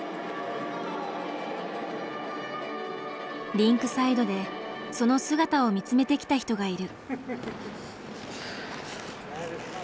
リンクサイドでその姿を見つめてきた人がいる。